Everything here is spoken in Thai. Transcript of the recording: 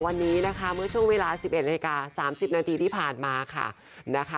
วันนี้นะคะเมื่อช่วงเวลา๑๑นาฬิกา๓๐นาทีที่ผ่านมาค่ะนะคะ